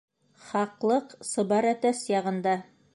Хаҡлыҡ сыбар әтәс яғында.